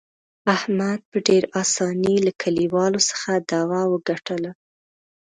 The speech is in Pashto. احمد په ډېر اسانۍ له کلیوالو څخه دعوه وګټله.